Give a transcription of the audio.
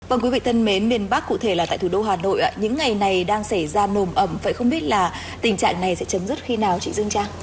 vâng quý vị thân mến miền bắc cụ thể là tại thủ đô hà nội những ngày này đang xảy ra nồm ẩm vậy không biết là tình trạng này sẽ chấm dứt khi nào chị dương trang